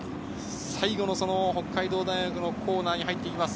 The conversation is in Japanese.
最後の北海道大学の構内に入っていきます。